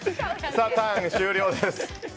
ターン終了です。